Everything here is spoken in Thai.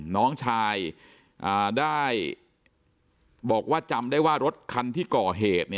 น้องชายได้บอกว่าจำได้ว่ารถคันที่ก่อเหตุ